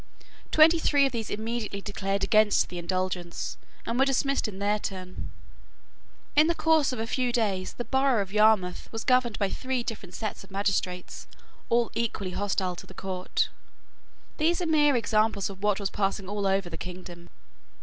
Twenty three of these immediately declared against the Indulgence, and were dismissed in their turn. In the course of a few days the borough of Yarmouth was governed by three different sets of magistrates, all equally hostile to the court. These are mere examples of what was passing all over the kingdom.